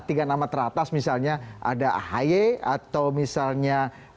tiga nama teratas misalnya ada ahy atau misalnya